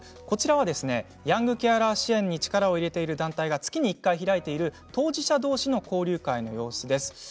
こちらはヤングケアラー支援に力を入れている団体が月に１回開いている当事者どうしの交流会の様子です。